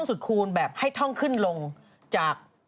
สวัสดีค่ะ